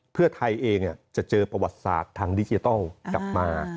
เพื่อไทยเองจะเจอประวัติศาสตร์ทางดิจิทัลกลับมา